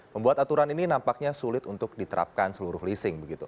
membuat aturan ini nampaknya sulit untuk diterapkan seluruh leasing begitu